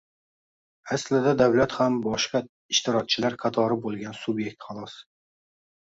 Aslida davlat ham boshqa ishtirokchilar qatori bo‘lgan sub’ekt xolos.